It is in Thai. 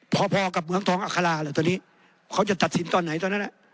พอพอกับเหมืองทองอัคราเลยตอนนี้เขาจะตัดสินตอนไหนตอนนั้น